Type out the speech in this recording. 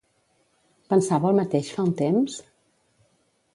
Pensava el mateix fa un temps?